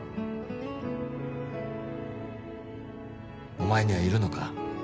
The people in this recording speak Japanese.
お前にはいるのか？